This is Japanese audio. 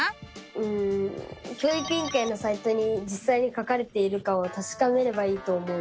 うん教育委員会のサイトにじっさいに書かれているかをたしかめればいいと思う！